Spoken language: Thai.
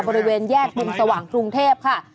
บริเวณแยกวงสว่างกรุงเทพค่ะ